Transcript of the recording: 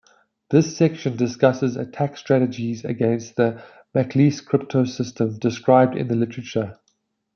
This section discusses attack strategies against the McEliece cryptosystem described in the literature.